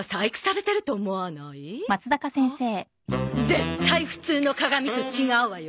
絶対普通の鏡と違うわよ。